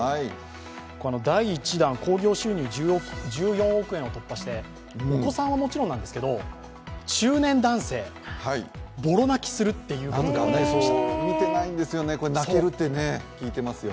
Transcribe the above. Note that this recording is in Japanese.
第１弾、興行収入１４億円を突破してお子さんはもちろんなんですけど、中年男性がぼろ泣きするっていう見てないんですよね、これ、泣けるって聞いてますよ。